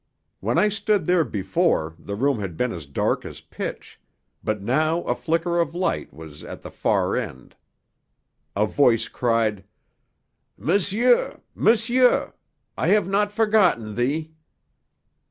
When I stood there before the room had been as dark as pitch, but now a flicker of light was at the far end. A voice cried: "M'sieur! M'sieur! I have not forgotten thee!"